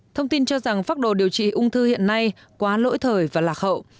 thông tin cho rằng phác đồ điều trị ung thư hiện nay quá lỗi thời và lạc hậu